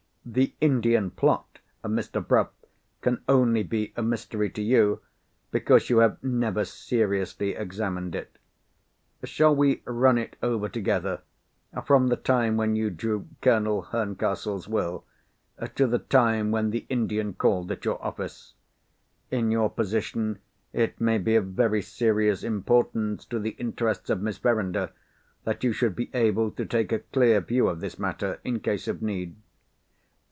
"The Indian plot, Mr. Bruff, can only be a mystery to you, because you have never seriously examined it. Shall we run it over together, from the time when you drew Colonel Herncastle's Will, to the time when the Indian called at your office? In your position, it may be of very serious importance to the interests of Miss Verinder, that you should be able to take a clear view of this matter in case of need.